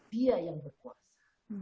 dia yang berkuasa